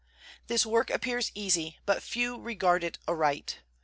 This work appears easy, but few regard it aright.